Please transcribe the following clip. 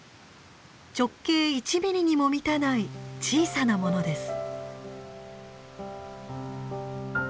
直径１ミリにも満たない小さなものです。